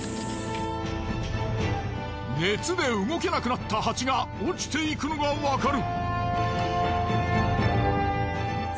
熱で動けなくなったハチが落ちていくのがわかる。